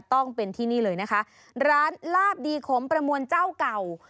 ต้องเป็นที่นี่เลยนะคะร้านลาบดีขมประมวลเจ้าเก่า